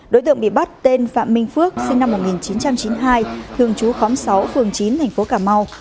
đối tượng bị bắt tên phạm minh phước sinh năm một nghìn chín trăm chín mươi hai thường trú khóm sáu phường chín thành phố cà mau